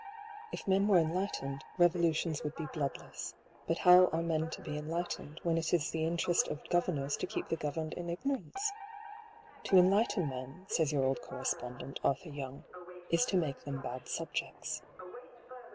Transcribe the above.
If men were enlight ened, revolutions would be bloodless j but how are men to be enlightened, when it is the interest of go vernors to keep the governed in ignorance? ff To enlighten men," says your old correspondent, Arthur Young, " is to make them bad subjects."